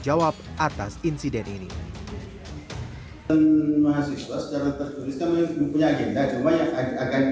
jawab atas insiden ini mahasiswa secara tertuliskan bukunya agenda cuma yang agenda